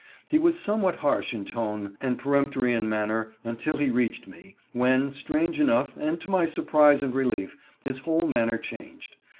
He was somewhat harsh in tome and peremptory in manner until he reached me, when, strange enough, and to my surprise and relief, his whole manner changed.